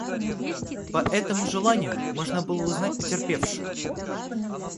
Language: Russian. По этому желанию можно было узнать потерпевшую.